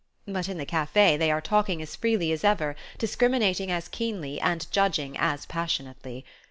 But in the cafe they are talking as freely as ever, discriminating as keenly and judging as passionately.